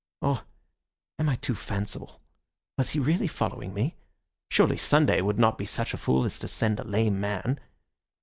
Or am I too fanciful? Was he really following me? Surely Sunday would not be such a fool as to send a lame man?"